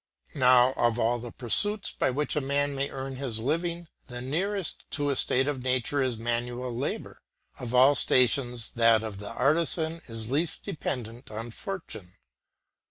Now of all the pursuits by which a man may earn his living, the nearest to a state of nature is manual labour; of all stations that of the artisan is least dependent on Fortune.